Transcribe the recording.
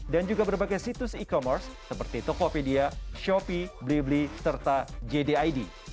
juga berbagai situs e commerce seperti tokopedia shopee blibli serta jdid